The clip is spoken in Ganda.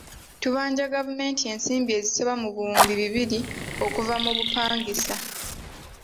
Ttubanja gavumenti ensimbi ezisoba mu buwumbi bibiri okuva mu bupangisa.